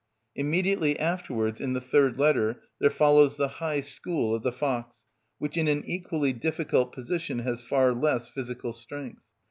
Immediately afterwards, in the third letter, there follows the high school of the fox, which in an equally difficult position has far less physical strength.